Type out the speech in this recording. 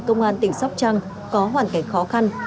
công an tỉnh sóc trăng có hoàn cảnh khó khăn